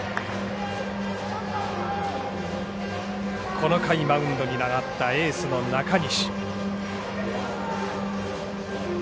この回マウンドに上がったエースの中西。